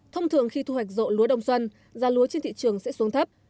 thông thường khi thu hoạch rộ lúa đông xuân giá lúa trên thị trường sẽ xuống thấp